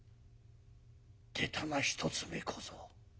出たな一つ目小僧。